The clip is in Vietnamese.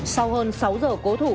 sau hơn sáu giờ cố thủ